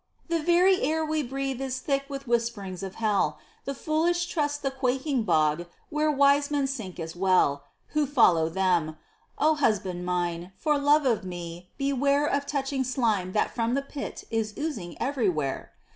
"The very air we breathe is thick with whisperings of hell; The foolish trust the quaking bog, where wise men sink as well, Who follow them: O husband mine, for love of me, beware Of touching slime that from the pit is oozing everywhere!